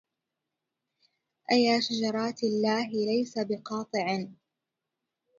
أيا شجرات الله ليس بقاطع